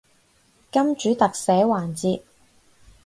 金主特寫環節